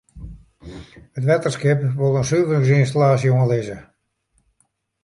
It wetterskip wol in suveringsynstallaasje oanlizze.